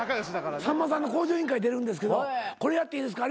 「さんまさんの『向上委員会』出るんですけどこれやっていいですか？